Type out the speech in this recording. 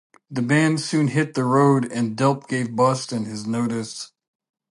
The band soon hit the road and Delp gave Boston his notice.